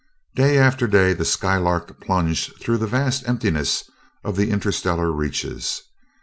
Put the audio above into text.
Day after day the Skylark plunged through the vast emptiness of the interstellar reaches.